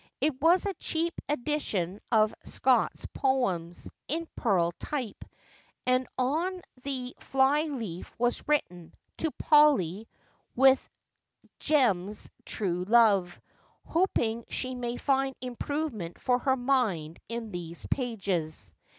It was a cheap edition of Scott's j>oems, in pearl type, and on the fly leaf was written, 'To Polly, with Jem's true love, hoping she may find improvement for her mind in these pages.'